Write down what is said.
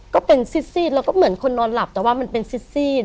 ก็เป็นซีดแล้วก็เหมือนคนนอนหลับแต่ว่ามันเป็นซีด